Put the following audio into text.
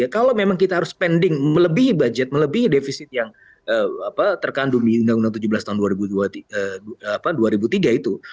kalau memang kita harus spending melebihi budget melebihi defisit yang terkandung di undang undang tujuh belas tahun dua ribu tiga itu